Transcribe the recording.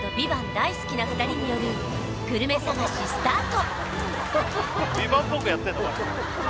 大好きな２人によるグルメ探しスタート